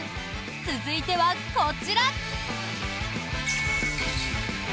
続いては、こちら！